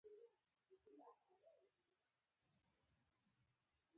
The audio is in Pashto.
شګفتګي بیا یوازې مسکا یا موسېدل دي.